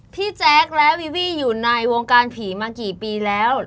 แจ๊คและวีวี่อยู่ในวงการผีมากี่ปีแล้ว